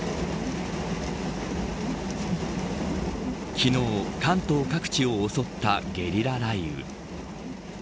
昨日、関東各地を襲ったゲリラ雷雨。